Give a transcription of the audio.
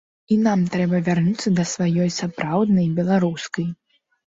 І нам трэба вярнуцца да сваёй, сапраўднай беларускай.